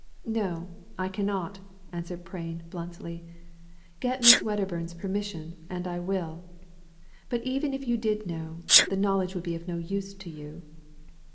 "No, I cannot," answered Prain, bluntly. "(Jet Miss Wedderbum's permission, and I will. But even if you did know, the knowledge would be of no use to you."